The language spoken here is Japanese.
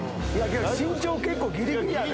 身長結構ギリギリやで。